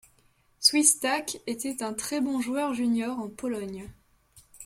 Swistak était un très bon joueur junior en Pologne.